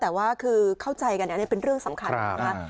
แต่ว่าคือเข้าใจกันอันนี้เป็นเรื่องสำคัญนะคะ